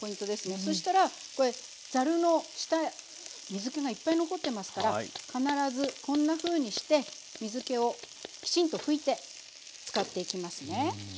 そしたらこれざるの下水けがいっぱい残ってますから必ずこんなふうにして水けをきちんと拭いて使っていきますね。